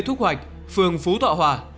lê thúc hoạch phường phú thọ hòa